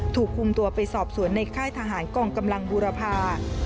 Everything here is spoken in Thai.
ถูกคุมตัวไปสอบสวนในค่ายทหารกองกำลังบูรพา